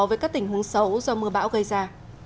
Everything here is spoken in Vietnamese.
với các tình huống xấu do mưa bão gây ra